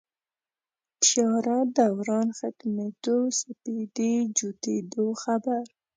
تیاره دوران ختمېدو سپېدې جوتېدو خبر